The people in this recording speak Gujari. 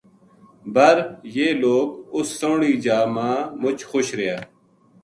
بر یہ لوک اس سوہنی جا ما مچ خوش رہیا